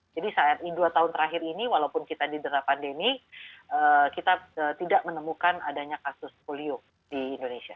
jadi saat dua tahun terakhir ini walaupun kita di dera pandemi kita tidak menemukan adanya kasus polio di indonesia